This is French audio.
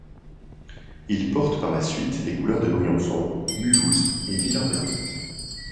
Il porte par la suite les couleurs de Briançon, Mulhouse, et Villard-de-Lans.